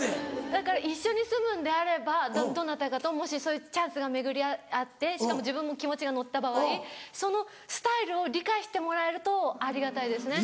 だから一緒に住むんであればどなたかともしそういうチャンスが巡り合ってしかも自分の気持ちが乗った場合そのスタイルを理解してもらえるとありがたいですね。